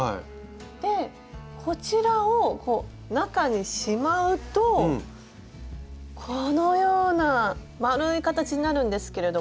こちらを中にしまうとこのような丸い形になるんですけれども。